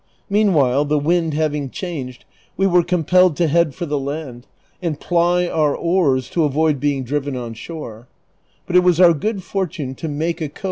Meanwhile, the wind having changed we were compelled to head for the land, and ply our oars to avoid being driven on shore ; but it was our good fortune to make a cove Vol.